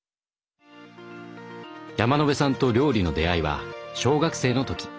山野辺さんと料理の出会いは小学生の時。